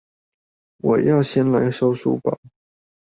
我要先來收書包